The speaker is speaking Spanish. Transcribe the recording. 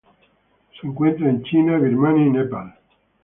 Se encuentra en China, Birmania, Nepal.